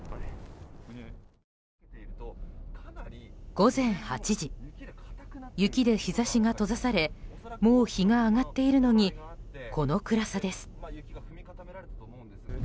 午前８時雪で日差しが閉ざされもう日が上がっているのにこの暗さです。